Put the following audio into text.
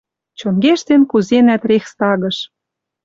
Чонгештен кузенӓт рейхстагыш...